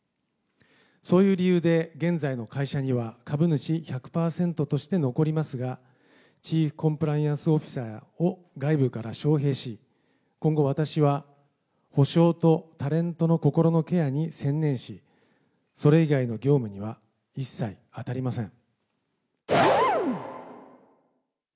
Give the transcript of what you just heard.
そういう理由で、現在の会社には株主１００％として残りますが、チーフコンプライアンスオフィサーを外部から招へいし、今後、私は補償とタレントの心のケアに専念し、それ以外の業務には一切あたりません。